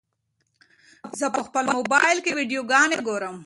زه په خپل موبایل کې ویډیوګانې ګورم.